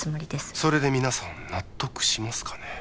それで皆さん納得しますかね？